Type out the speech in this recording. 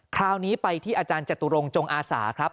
คราวนี้ไปที่อาจารย์จตุรงจงอาสาครับ